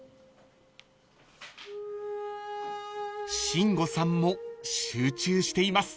［慎吾さんも集中しています］